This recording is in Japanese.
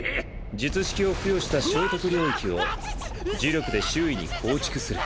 術式を付与した生得領域を呪力で周囲に構築する。